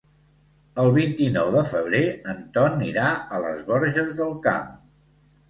El vint-i-nou de febrer en Ton irà a les Borges del Camp.